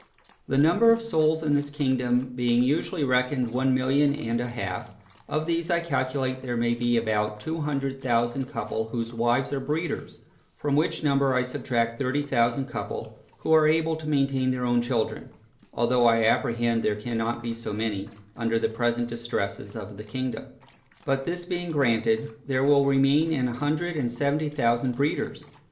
The number of souls in this kingdom being usually reckoned one million and a half, of these I calculate there may be about two hundred thousand couple, whose wives are breeders; from which number I subtract thirty thousand couple, who are able to maintain their own children, (although I apprehend there cannot be so many under the present distresses of the kingdom) but this being granted, there will remain a hundred and seventy thousand breeders.